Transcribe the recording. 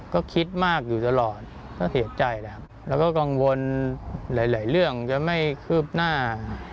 ก็คิดมากอยู่ตลอดก็เสียใจนะครับแล้วก็กังวลหลายเรื่องจะไม่คืบหน้า